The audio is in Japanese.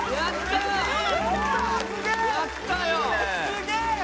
すげえ！